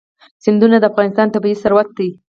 سیندونه د افغانستان طبعي ثروت دی.